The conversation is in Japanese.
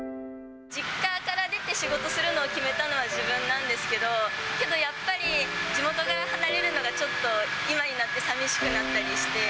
実家から出て仕事をするのを決めたのは自分なんですけど、けどやっぱり、地元から離れるのがちょっと今になってさみしくなったりして。